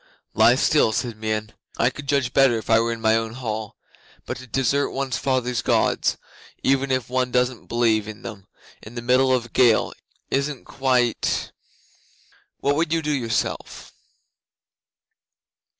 '"Lie still," said Meon. "I could judge better if I were in my own hall. But to desert one's fathers' Gods even if one doesn't believe in them in the middle of a gale, isn't quite What would you do yourself?"